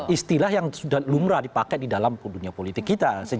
istilah yang sudah lumrah dipakai di dalam dunia politik kita